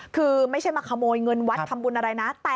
คือไม่ใช่มาขโมยเงินวัดทำบุญอะไรนะ